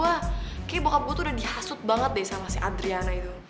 wah kayaknya bakal gue tuh udah dihasut banget deh sama si adriana itu